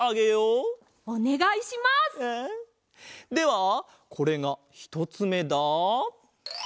ではこれがひとつめだ。